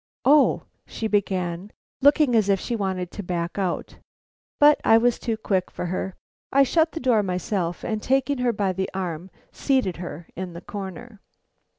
"O," she began, looking as if she wanted to back out. But I was too quick for her. I shut the door myself and, taking her by the arm, seated her in the corner.